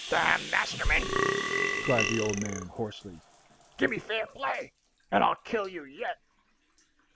"D n you, Masterman!" cried the old man, hoarsely; "give me fair play, and I'll kill you yet!"